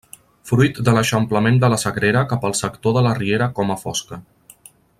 Fruit de l'eixamplament de la Sagrera cap al sector de la riera Coma Fosca.